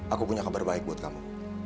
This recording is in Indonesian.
aku punya kabar baik buat kamu